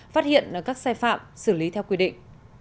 phát hiện các sai phạm xử lý theo quy định